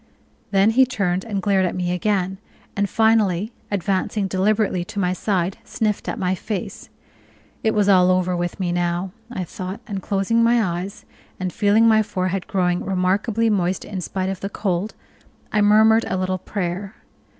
Then he turned and glared at me again, and finally, advancing deliberately to my side, sniffed at my face. It was all over with me now, I thought, and closing my eyes, and feeling my forehead growing remarkably moist in spite of the cold, I murmured a little prayer.